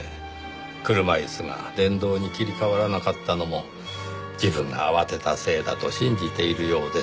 車椅子が電動に切り替わらなかったのも自分が慌てたせいだと信じているようですし。